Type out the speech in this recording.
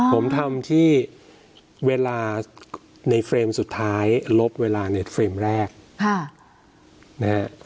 อ๋อผมทำที่เวลาในเฟรมสุดท้ายลบเวลาในเฟรมแรกค่ะเนี้ย